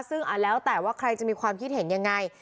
ซึ่งแล้วแต่ว่าใครจะมีความคิดเห็นยังไง